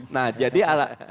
nah jadi ala